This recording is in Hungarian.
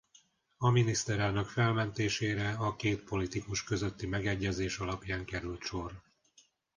A miniszterelnök felmentésére a két politikus közötti megegyezés alapján került sor.